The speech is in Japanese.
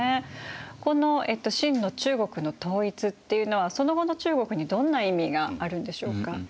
この秦の中国の統一っていうのはその後の中国にどんな意味があるんでしょうか？